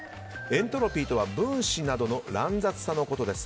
エントロピーとは分子などの乱雑さのことです。